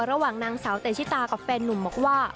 ระหว่างนางสาวเตชิตากับแฟนนุ่มบอกว่า